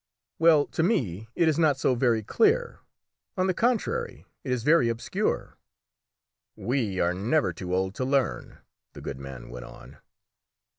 "Well, to me it is not so very clear; on the contrary, it is very obscure." "We are never too old to learn," the good man went on.